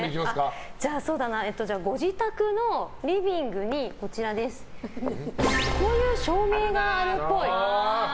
ご自宅のリビングにこういう照明があるっぽい。